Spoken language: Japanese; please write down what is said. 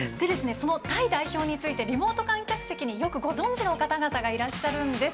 そのタイ代表についてリモート観客席によくご存じの方がいらっしゃるんです。